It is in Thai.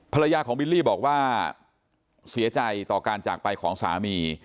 ภรรยาของบิลลี่บอกว่าเสียใจต่อการจากไปของสามี